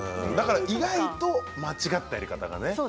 だから意外と間違ったやり方がね。